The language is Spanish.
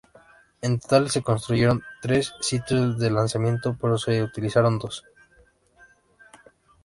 En total, se construyeron tres sitios de lanzamiento, pero sólo se utilizaron dos.